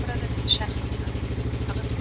زه اوږده وخت د سبا لپاره د يادښتونه بشپړوم،